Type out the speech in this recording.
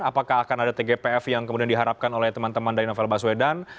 apakah akan ada tgpf yang kemudian diharapkan oleh teman teman dari novel baswedan